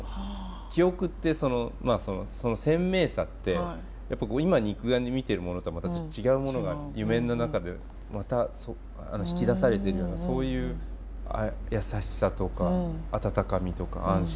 記憶ってその鮮明さって今肉眼で見てるものとはまた違うものが夢の中で引き出されてるようなそういう優しさとか温かみとか安心感とか愛情みたいなものが。